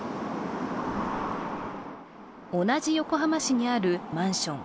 同じ横浜市にあるマンション。